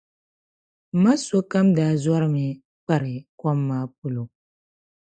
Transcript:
Maa sokam daa zɔrimi kpari kom maa polo.